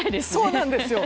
そうなんですよ。